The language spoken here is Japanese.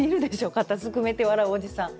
肩すくめて笑うおじさん。